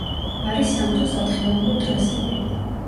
არის სამთო-სათხილამურო ტრასები.